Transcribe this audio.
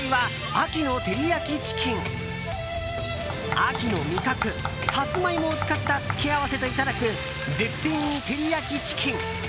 秋の味覚、サツマイモを使った付け合わせといただく絶品照り焼きチキン！